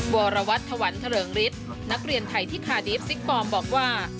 วรวัตถวันเถริงฤทธิ์นักเรียนไทยที่ขดิสทิศิกปอร์มบอกว่า